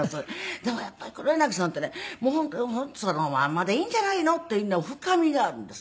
でもやっぱり黒柳さんってねもう本当にそのまんまでいいんじゃないのっていうね深みがあるんですよ。